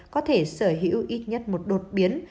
có thể sở hữu ít nhất một đột biến